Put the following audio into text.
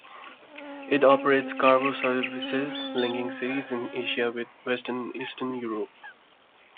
It operates cargo services linking cities in Asia with western and eastern Europe.